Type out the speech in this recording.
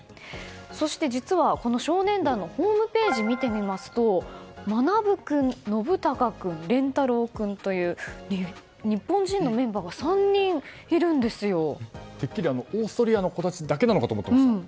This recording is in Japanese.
そして、実は少年団のホームページを見てみますとマナブ君、ノブタカ君レンタロウ君という日本人のメンバーがてっきりオーストリアの子たちだけなのかと思っていました。